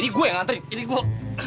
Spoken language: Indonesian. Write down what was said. ini gua yang nganterin ini gua